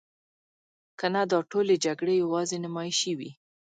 کنه دا ټولې جګړې یوازې نمایشي وي.